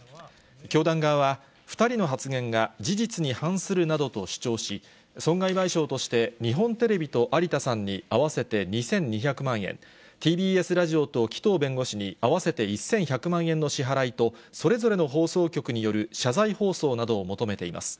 教団側は、２人の発言が事実に反するなどと主張し、損害賠償として日本テレビと有田さんに合わせて２２００万円、ＴＢＳラジオと紀藤弁護士に合わせて１１００万円の支払いとそれぞれの放送局による謝罪放送などを求めています。